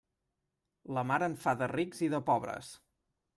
La mar en fa de rics i de pobres.